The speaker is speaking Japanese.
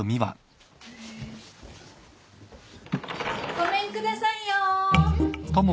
・・ごめんくださいよ。